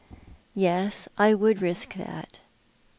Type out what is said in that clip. " Yes, I would risk that."